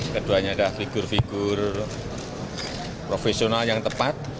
keduanya adalah figur figur profesional yang tepat